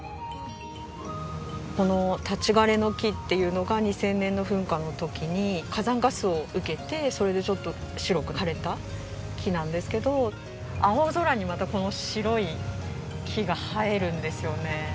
この立ち枯れの木っていうのが２０００年の噴火の時に火山ガスを受けてそれでちょっと白く枯れた木なんですけど青空にまたこの白い木が映えるんですよね。